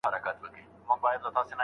خاوند به د ميرمني څخه نفرت نه کوي.